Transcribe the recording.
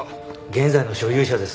現在の所有者です。